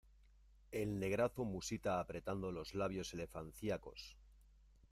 el negrazo musita apretando los labios elefancíacos: